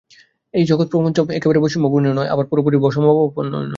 এই জগৎপ্রপঞ্চ একেবারে বৈষম্যে পূর্ণ নয়, আবার পুরোপুরি সমভাবাপন্নও নয়।